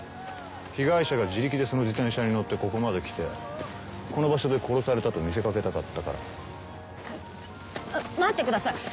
被害者が自力でその自転車に乗ってここまで来てこの場所で殺されたと見せかけたかったからあ待ってください